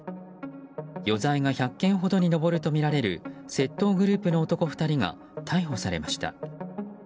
余罪が１００件ほどに上るとみられる窃盗グループの男２人が逮捕されました。